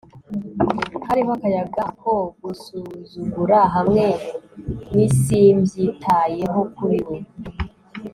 hariho akayaga ko gusuzugura hamwe n '' simbyitayeho 'kuri we